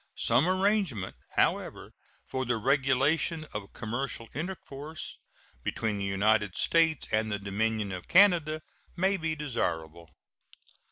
Some arrangement, however, for the regulation of commercial intercourse between the United States and the Dominion of Canada may be desirable.